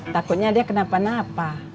takutnya dia kenapa napa